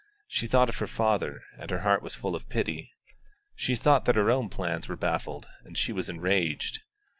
She thought of her father, and her heart was full of pity; she thought that her own plans were baffled, and she was enraged.